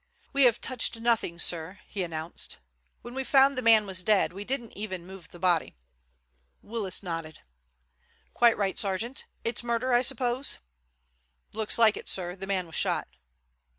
"We have touched nothing, sir," he announced. "When we found the man was dead we didn't even move the body." Willis nodded. "Quite right, sergeant. It's murder, I suppose?" "Looks like it, sir. The man was shot."